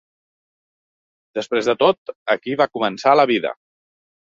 Després de tot, aquí va començar la vida.